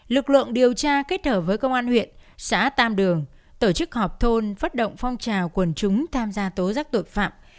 lực lượng điều tra kết hợp với công an huyện xã tam đường tổ chức họp thôn phát động phong trào quần chúng tham gia tố giác tội phạm